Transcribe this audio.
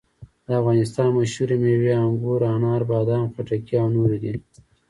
د افغانستان مشهورې مېوې انګور، انار، بادام، خټکي او نورې دي.